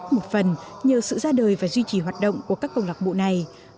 một phần nhờ sự ra đời và duy trì hoạt động của các công lạc bộ này